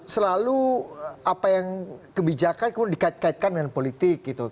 selalu apa yang kebijakan kemudian dikait kaitkan dengan politik gitu